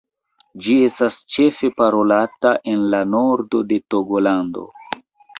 Ĝi estas ĉefe parolata en la nordo de Togolando.